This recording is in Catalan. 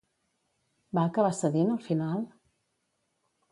Va acabar cedint, al final?